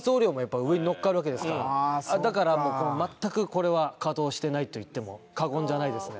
そうですそっかだから全くこれは稼働してないといっても過言じゃないですね